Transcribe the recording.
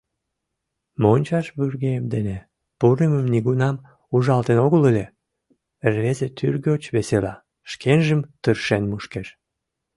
— Мончаш вургем дене пурымым нигунам ужалтын огыл ыле, — рвезе тӱргоч весела, шкенжым тыршен мушкеш.